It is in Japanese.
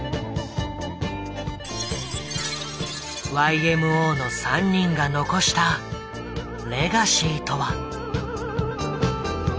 ＹＭＯの３人が残したレガシーとは。